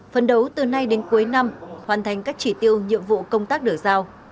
phân đấu từ nay đến cuối năm hoàn thành các chỉ tiêu nhiệm vụ công tác đổi